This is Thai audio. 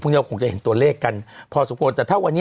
พวกเราคงจะเห็นตัวเลขกันพอสมควร